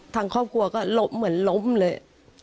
ทางครอบครัวก็ล้มเหมือนล้มเลย